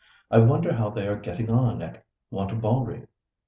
I wonder how they are getting on at Wantabalree?"